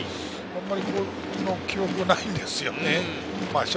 あんまりこの記憶はないんですよね。